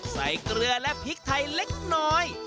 เกลือและพริกไทยเล็กน้อย